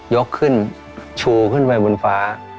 ยกขึ้นชูขึ้นไปบนฟ้า